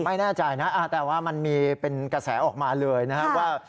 ไม่แน่ใจนะแต่ว่ามันมีเป็นกระแสออกมาเลยนะครับว่า